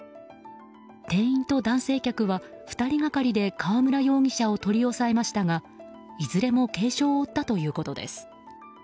店員と男性客は２人がかりで河村容疑者を取り押さえましたがいずれも軽傷を負ったということです。